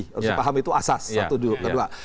harus dipahami itu asas satu kedua